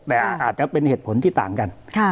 แต่อาจจะเป็นเหตุผลที่ต่างกัน